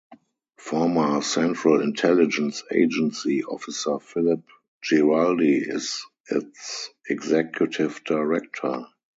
Former Central Intelligence Agency officer Philip Giraldi is its executive director.